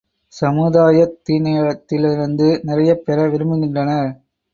சமுதாயத்தினிடத்திலிருந்து நிறையப் பெற விரும்புகின்றனர்.